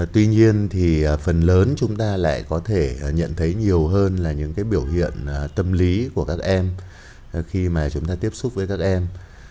tuy nhiên thì phần lớn chúng ta lại có thể nhận thấy nhiều hơn là những cái biểu hiện tâm lý của các em khi mà chúng ta tiếp xúc với các em